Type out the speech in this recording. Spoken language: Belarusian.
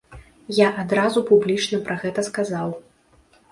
Я адразу публічна пра гэта сказаў.